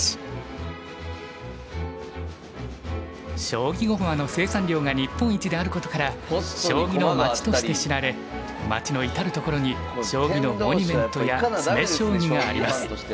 将棋駒の生産量が日本一であることから将棋のまちとして知られまちの至る所に将棋のモニュメントや詰将棋があります。